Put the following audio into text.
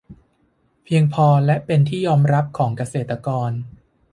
เพียงพอและเป็นที่ยอมรับของเกษตรกร